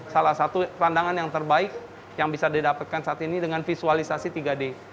salah satu pandangan yang terbaik yang bisa didapatkan saat ini dengan visualisasi tiga d